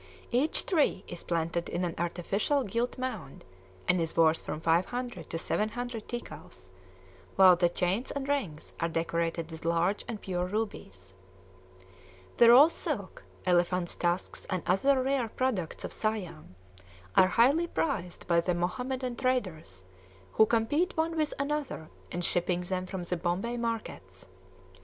Each tree is planted in an artificial gilt mound, and is worth from five hundred to seven hundred ticals, while the chains and rings are decorated with large and pure rubies. The raw silk, elephants' tusks, and other rare products of Siam, are highly prized by the Mohammedan traders, who compete one with another in shipping them for the Bombay markets.